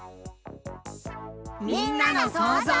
みんなのそうぞう。